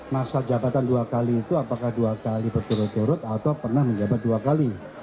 masa jabatan dua kali itu apakah dua kali berturut turut atau pernah menjabat dua kali